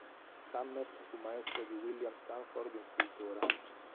Summers fu maestro di William Stanford in scultura.